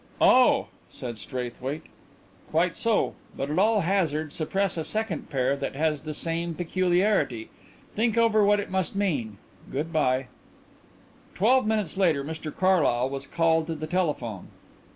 "Oh !" said Straithwaite. "Quite so. But at all hazard suppress a second pair that has the same peculiarity. Think over what it must mean. Good bye." Twelve minutes later Mr Carlyle was called to the telephone.